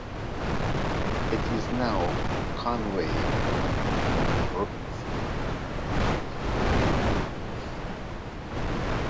It is now Conway Robinson State Forest.